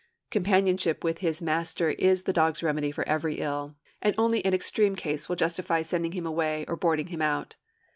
Companionship with his master is the dog's remedy for every ill, and only an extreme case will justify sending him away or boarding him out.